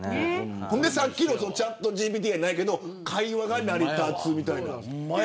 さっきのチャットＧＰＴじゃないけど会話が成り立つみたいな。